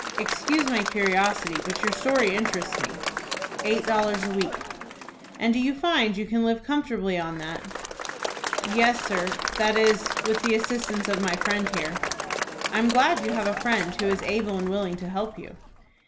Excuse my curiosity, but your story interests me." "Eight dollars a week." "And do you find you can live comfortably on that?" "Yes, sir; that is, with the assistance of my friend here." "I am glad you have a friend who is able and willing to help you."